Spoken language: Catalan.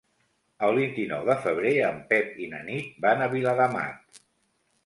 El vint-i-nou de febrer en Pep i na Nit van a Viladamat.